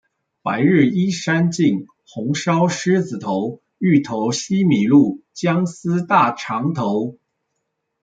白日依山盡，紅燒獅子頭，芋頭西米露，薑絲大腸頭